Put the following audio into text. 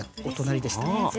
お隣でしたね。